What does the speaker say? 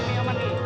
barangan banget dah